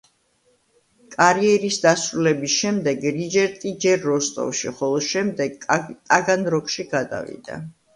კარიერის დასრულების შემდეგ, რიჯერტი ჯერ როსტოვში, ხოლო შემდეგ ტაგანროგში გადავიდა.